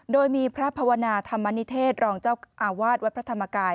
โดยมีพระภาวนาธรรมนิเทศรองเจ้าอาวาสวัดพระธรรมกาย